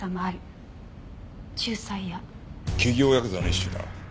企業ヤクザの一種だ。